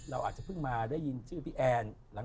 เราอาจจะเพิ่งมาได้ยินชื่อพี่แอน